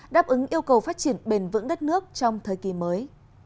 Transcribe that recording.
đáp ứng yêu cầu phát triển bền vững đất nước trong thời kỳ mới